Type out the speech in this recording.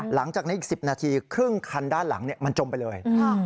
หลังจากนี้อีก๑๐นาทีครึ่งคันด้านหลังมันจมไปเลย